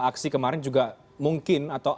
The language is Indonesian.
aksi kemarin juga mungkin atau